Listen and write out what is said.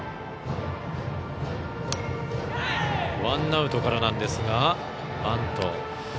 ワンアウトからなんですがバント。